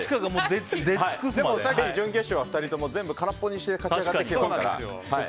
でもさっきの準決勝は２人とも空っぽにして勝ち上がってきてますから。